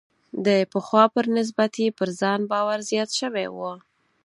د پخوا په نسبت یې پر ځان باور زیات شوی و.